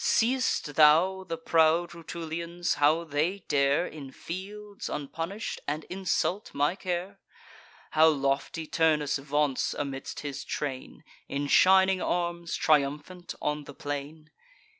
Seest thou the proud Rutulians, how they dare In fields, unpunish'd, and insult my care? How lofty Turnus vaunts amidst his train, In shining arms, triumphant on the plain?